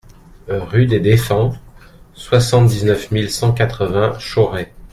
Rue des Deffends, soixante-dix-neuf mille cent quatre-vingts Chauray